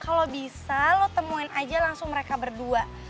kalau bisa lo temuin aja langsung mereka berdua